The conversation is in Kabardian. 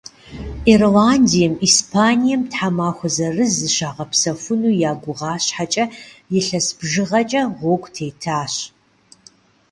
Ирландием, Испанием тхьэмахуэ зырыз зыщагъэпсэхуну я гугъа щхьэкӏэ, илъэс бжыгъэкӏэ гъуэгу тетащ.